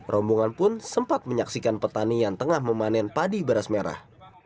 rombongan pun sempat menyaksikan petani yang tengah memanen padi beras merah